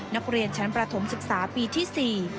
นักเรียนชั้นประถมศึกษาปีที่๔